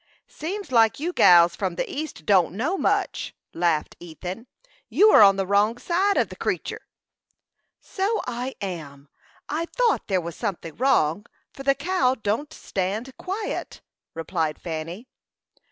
"Seems like you gals from the east don't know much," laughed Ethan. "You are on the wrong side of the creetur." "So I am! I thought there was something wrong, for the cow don't stand quiet," replied Fanny.